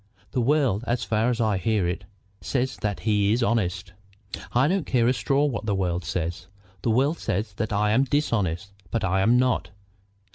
"The world, as far as I hear it, says that he is honest." "I don't care a straw what the world says. The world says that I am dishonest, but I am not."